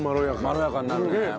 まろやかになるね。